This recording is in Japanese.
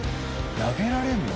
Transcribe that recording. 投げられるの？